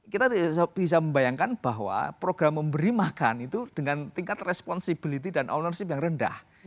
kita bisa membayangkan bahwa program memberi makan itu dengan tingkat responsibility dan ownership yang rendah